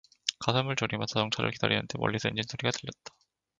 가슴을 졸이며 자동차를 기다리는데 멀리서 엔진 소리가 들렸다.